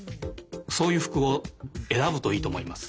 そういうふくをえらぶといいとおもいます。